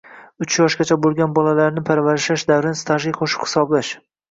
Uch yoshgacha bo‘lgan bolalarni parvarishlash davrini stajga qo‘shib hisoblash